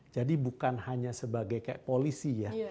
jadi bukan hanya sebagai kayak polisi ya